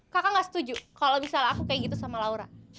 kakak gak setuju kalau misalnya aku kayak gitu sama laura